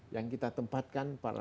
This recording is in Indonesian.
yang kita tempatkan para